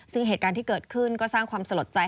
ซึ่งเหตุการณ์ที่เกิดขึ้นก็สร้างความสลดใจ